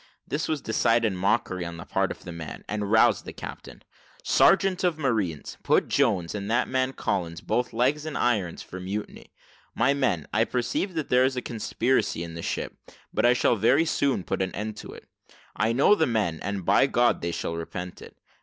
This was decided mockery on the part of the man, and roused the captain. "Sergeant of marines, put Jones, and that man Collins, both legs in irons, for mutiny. My men, I perceive that there is a conspiracy in the ship, but I shall very soon put an end to it: I know the men, and, by God, they shall repent it.